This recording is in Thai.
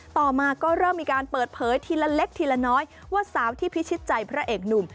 ต่อมาก็เริ่มมีการเปิดเผยทีละเล็กทีละน้อยว่าสาวที่พิชิตใจพระเอกหนุ่ม